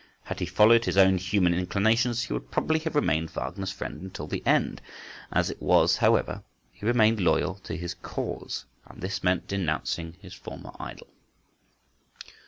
Had he followed his own human inclinations, he would probably have remained Wagner's friend until the end. As it was, however, he remained loyal to his cause, and this meant denouncing his former idol.